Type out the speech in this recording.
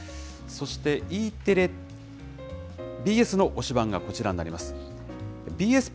そして、Ｅテレ、ＢＳの推しバンがこちらになります。